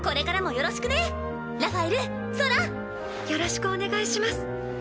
よろしくお願いします。